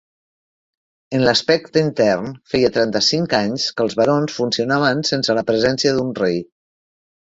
En l'aspecte intern, feia trenta-cinc anys que els barons funcionaven sense la presència d'un rei.